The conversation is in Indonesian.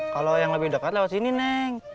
kalau yang lebih dekat lewat sini neng